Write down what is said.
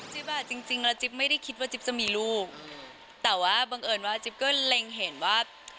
อ่ะจริงจริงแล้วจิ๊บไม่ได้คิดว่าจิ๊บจะมีลูกแต่ว่าบังเอิญว่าจิ๊บก็เล็งเห็นว่า